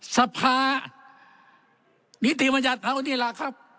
สภานิติบัญญาณเท่านี้ล่ะครับ